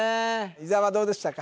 伊沢どうでしたか？